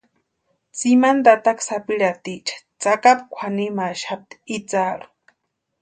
Tsimani tataka sapirhatiecha tsakapu kwʼanimaxapti itsarhu.